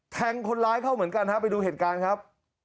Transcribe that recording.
แทงคนร้ายเข้าเหมือนกันฮะไปดูเหตุการณ์ครับ